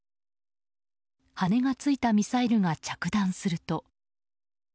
羽根がついたミサイルが着弾すると。